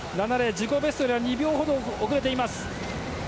自己ベストよりは２秒ほど遅れています。